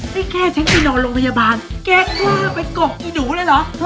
นี่แค่ฉันไปนอนโรงพยาบาล